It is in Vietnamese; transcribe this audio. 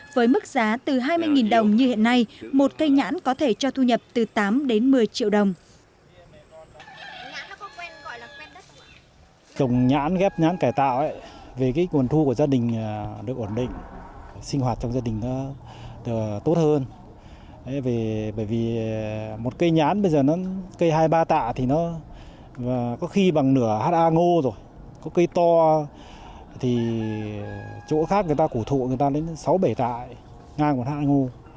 với mức giá từ hai mươi đồng như hiện nay một cây nhãn có thể cho thu nhập từ tám đến một mươi triệu đồng